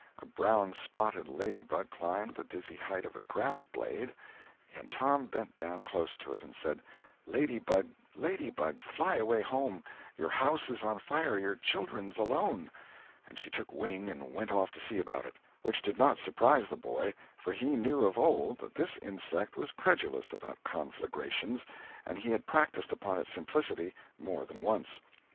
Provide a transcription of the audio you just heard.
A brown spotted lady bug climbed the dizzy height of a grass blade, and Tom bent down close to it and said, "Lady bug, lady bug, fly away home, your house is on fire, your children's alone," and she took wing and went off to see about it—which did not surprise the boy, for he knew of old that this insect was credulous about conflagrations, and he had practised upon its simplicity more than once.